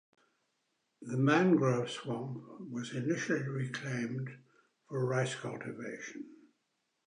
The mangrove swamp was initially reclaimed for rice cultivation.